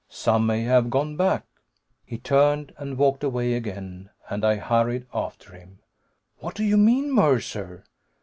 Some may have gone back." He turned and walked away again, and I hurried after him. "What do you mean. Mercer?